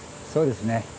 そうですね